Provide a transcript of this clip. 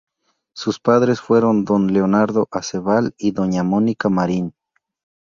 Sus padres fueron don Leonardo Aceval y doña Mónica Marín.